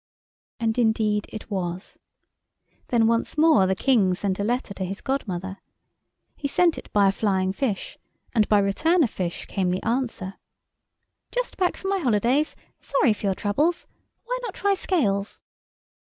And indeed it was. Then once more the King sent a letter to his godmother. He sent it by a flying fish, and by return of fish come the answer— "Just back from my holidays. Sorry for your troubles. Why not try scales?"